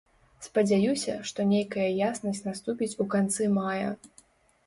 Спадзяюся, што нейкая яснасць наступіць у канцы мая.